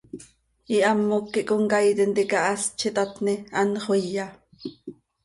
Ihamoc quih comcaii tintica hast z itatni, anxö iya.